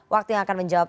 waktu yang akan menjawab